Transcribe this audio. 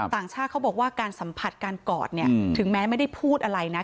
ต่างชาติเขาบอกว่าการสัมผัสการกอดเนี่ยถึงแม้ไม่ได้พูดอะไรนะ